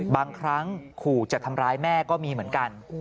บางครั้งขู่จะทำร้ายแม่ก็มีเหมือนกัน